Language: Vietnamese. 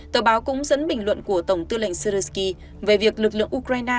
tờ báo cũng dẫn bình luận của tổng tư lệnh zelensky về việc lực lượng ukraine